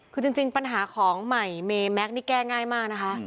คือจริงปัญหาของใหม่เมแม็กซ์นี่แก้ง่ายมากนะคะ